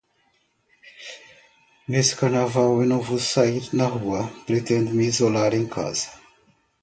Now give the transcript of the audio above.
Neste Carnaval eu não vou sair na rua, pretendo me isolar em casa.